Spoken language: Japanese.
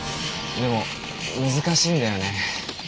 でも難しいんだよね。